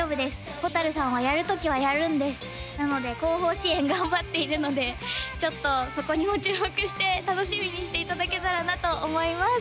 蛍さんはやるときはやるんですなので後方支援頑張っているのでちょっとそこにも注目して楽しみにしていただけたらなと思います